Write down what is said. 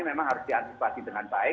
memang harus diantisipasi dengan baik